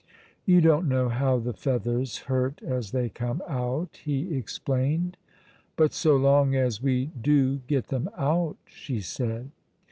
"You don't know how the feathers hurt as they come out," he explained. "But so long as we do get them out!" she said.